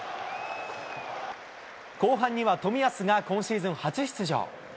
後半には冨安が今シーズン初出場。